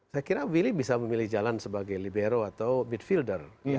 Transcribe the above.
saya kira willy bisa memilih jalan sebagai libero atau bidfielder